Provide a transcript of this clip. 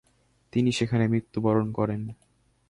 তিনি সেখানে মৃত্যুবরণ করেন।